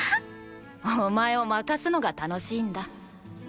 お前を負かすのが楽しいんだ。